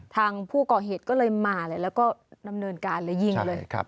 ทางผู้ก่อเหตุก็เลยมาเลยแล้วก็ดำเนินการเลยยิงเลย